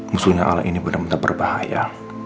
musuhnya al ini bener bener berbahaya